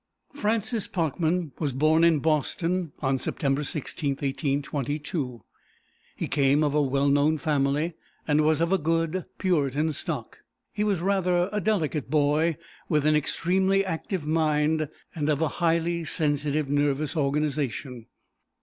Francis Parkman was born in Boston on September 16, 1822. He came of a well known family, and was of a good Puritan stock. He was rather a delicate boy, with an extremely active mind and of a highly sensitive, nervous organization.